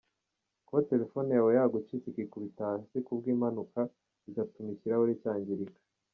Kuba telefone yawe yagucitse ikikubita hasi kubwimpanuka bigatuma ikirahuri cyangirika.